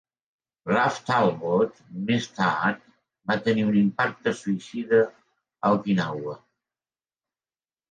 "Ralph Talbot" més tard va tenir un impacte suïcida a Okinawa.